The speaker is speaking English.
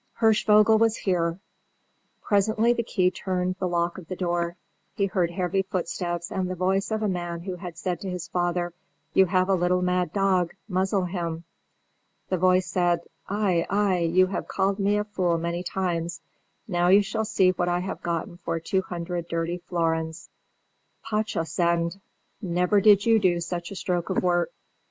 Hirschvogel was here. Presently the key turned in the lock of the door; he heard heavy footsteps and the voice of the man who had said to his father, "You have a little mad dog; muzzle him!" The voice said, "Ay, ay, you have called me a fool many times. Now you shall see what I have gotten for two hundred dirty florins. Potztausend! never did you do such a stroke of work."